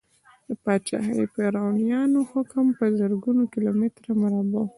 د پاچاهي فرعونیانو حکم په زرګونو کیلو متره مربع و.